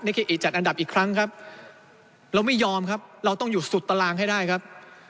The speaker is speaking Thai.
เคอิจัดอันดับอีกครั้งครับเราไม่ยอมครับเราต้องอยู่สุดตารางให้ได้ครับ